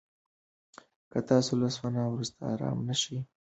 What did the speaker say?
که تاسو له سونا وروسته ارام نه شئ، فشار پاتې کېږي.